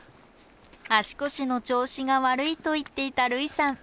足腰の調子が悪いと言っていた類さん。